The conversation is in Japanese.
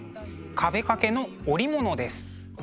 壁掛けの織物です。